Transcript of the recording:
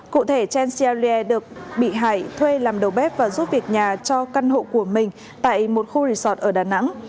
cụ thể transia lier được bị hại thuê làm đầu bếp và giúp việc nhà cho căn hộ của mình tại một khu resort ở đà nẵng